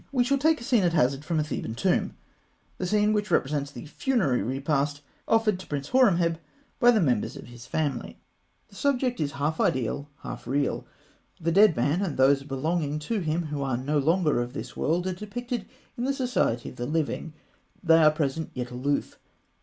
We will take a scene at hazard from a Theban tomb that scene which represents the funerary repast offered to Prince Horemheb by the members of his family (fig. 167). The subject is half ideal, half real. The dead man, and those belonging to him who are no longer of this world, are depicted in the society of the living. They are present, yet aloof.